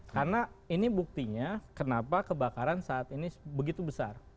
karena ini buktinya kenapa kebakaran saat ini begitu besar